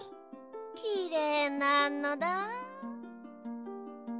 きれいなのだ。